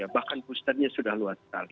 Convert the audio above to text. bahkan pustannya sudah luas